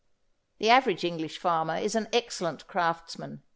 The average English farmer is an excellent craftsman.